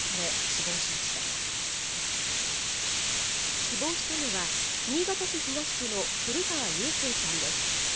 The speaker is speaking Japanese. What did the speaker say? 死亡したのは、新潟市東区の古川祐誠ちゃんです。